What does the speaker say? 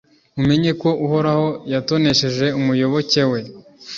mumenye ko uhoraho yatonesheje umuyoboke we